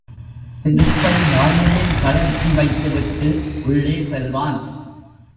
செருப்பை வாயிலில் கழற்றி வைத்து விட்டு உள்ளே செல்வான்.